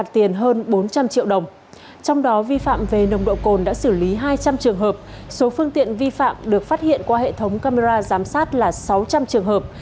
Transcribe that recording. trong đó vi phạm về nồng độ cồn đã xử lý hai trăm linh trường hợp số phương tiện vi phạm được phát hiện qua hệ thống camera giám sát là sáu trăm linh trường hợp